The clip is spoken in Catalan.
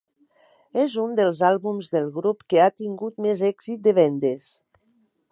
És un dels àlbums del grup que ha tingut més èxit de vendes.